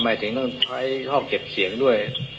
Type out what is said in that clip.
ยังต้องใช้ท่อเก็บเสียงด้วย